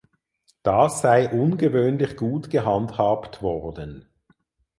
Das sei ungewöhnlich gut gehandhabt worden.